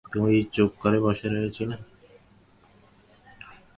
তাই চুপ করে বসে রয়েছিল?